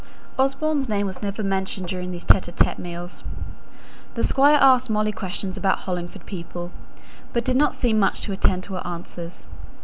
Osborne's name was never mentioned during these cheerless meals. The Squire asked Molly questions about Hollingford people, but did not seem much to attend to her answers.